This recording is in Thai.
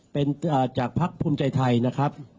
เป็นจากภักดิ์ภูมิใจไทยนะครับ